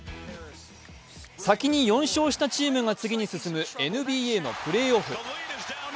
先に４勝したチームが次に進むＮＢＡのプレーオフ。